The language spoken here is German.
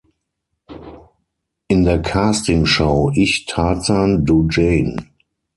In der Castingshow Ich Tarzan, Du Jane!